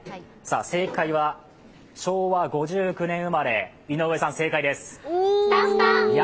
正解は、昭和５９年生まれ井上さん、正解です。